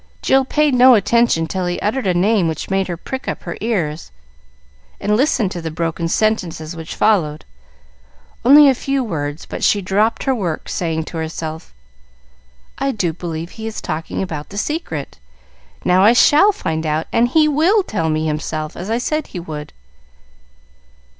Jill paid no attention till he uttered a name which made her prick up her ears and listen to the broken sentences which followed. Only a few words, but she dropped her work, saying to herself, "I do believe he is talking about the secret. Now I shall find out, and he will tell me himself, as I said he would."